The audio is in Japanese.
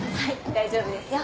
大丈夫ですよ。